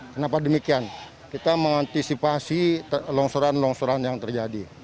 kenapa demikian kita mengantisipasi longsoran longsoran yang terjadi